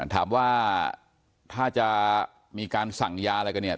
ถามว่าถ้าจะมีการสั่งยาอะไรกันเนี่ย